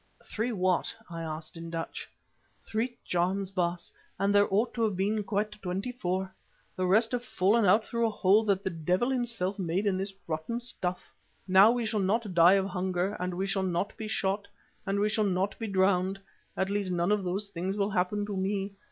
"Three what?" I asked in Dutch. "Three charms, Baas, and there ought to have been quite twenty four. The rest have fallen out through a hole that the devil himself made in this rotten stuff. Now we shall not die of hunger, and we shall not be shot, and we shall not be drowned, at least none of those things will happen to me.